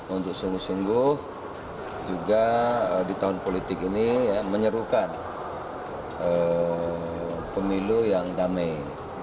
untuk sungguh sungguh juga di tahun politik ini menyerukan pemilu yang damai